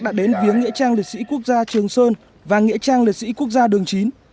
đã đến viếng nghĩa trang liệt sĩ quốc gia trường sơn và nghĩa trang liệt sĩ quốc gia đường chín